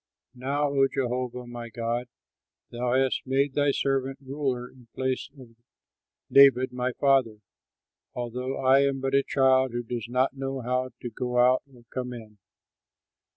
Now, O Jehovah my God, thou hast made thy servant ruler in the place of David my father, although I am but a child who does not know how to go out or come in.